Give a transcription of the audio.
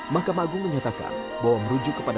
mahkamah agung menyatakan bahwa merujuk kepada